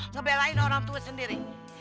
ngebelain orang tua sendiri